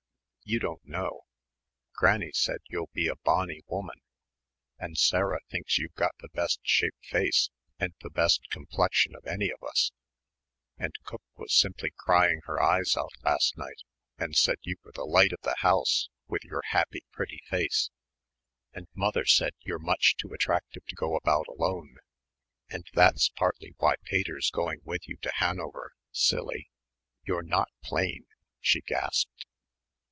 You don't know. Granny said you'll be a bonny woman, and Sarah thinks you've got the best shape face and the best complexion of any of us, and cook was simply crying her eyes out last night and said you were the light of the house with your happy, pretty face, and mother said you're much too attractive to go about alone, and that's partly why Pater's going with you to Hanover, silly.... You're not plain," she gasped.